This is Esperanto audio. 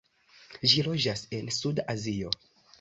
Ĝi loĝas en Suda Azio.